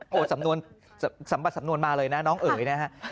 สำนวนสัมบัดสำนวนมาเลยนะน้องเอ๋ยนะฮะ